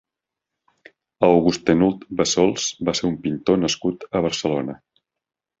Auguste Henault Bassols va ser un pintor nascut a Barcelona.